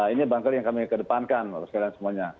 ini bangker yang kami kedepankan untuk sekalian semuanya